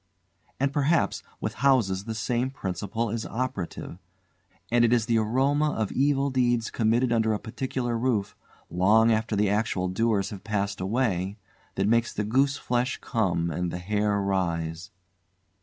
And, perhaps, with houses the same principle is operative, and it is the aroma of evil deeds committed under a particular roof, long after the actual doers have passed away, that makes the gooseflesh come and the hair rise.